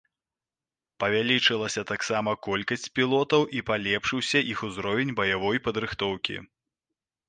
Павялічылася таксама колькасць пілотаў і палепшыўся іх узровень баявой падрыхтоўкі.